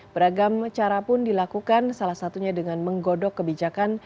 beragam cara pun dilakukan salah satunya dengan menggodok kebijakan